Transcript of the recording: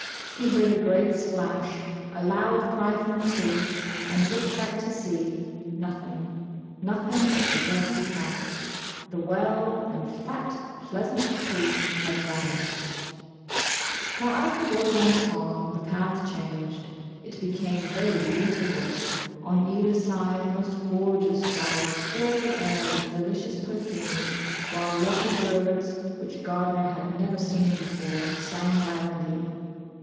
He heard a great splash, a loud cry from Truth, and looked back to see — nothing, nothing but the dusty path. The w^ell and fat, pleasant Truth had vanished ! Now as the boy went on, the path changed. It became very beautiful. On either side most gorgeous flowers filled the air with delicious perfume, while lovely birds, which Gardner had never seen before, sang loudly.